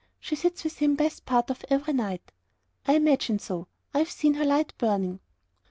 She sits up wi' him best part of every night." "I imagined so. I have seen her light burning."